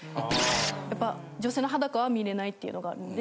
やっぱ女性の裸は見れないっていうのがあるんで。